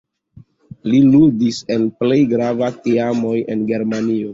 Li ludis en plej grava teamoj en Germanio.